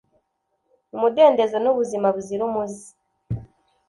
umudendezo n’ubuzima buzira umuze.